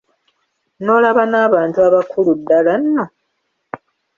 N’olaba n’abantu abakulu ddala nno!